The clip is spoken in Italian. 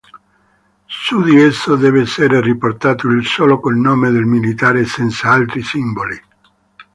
Su di esso deve essere riportato il solo cognome del militare, senza altri simboli.